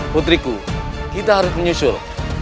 putriku kita harus menyusul